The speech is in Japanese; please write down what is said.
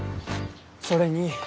それに。